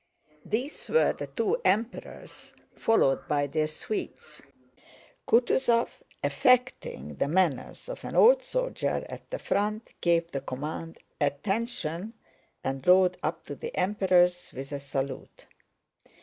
These were the two Emperors followed by their suites. Kutúzov, affecting the manners of an old soldier at the front, gave the command "Attention!" and rode up to the Emperors with a salute.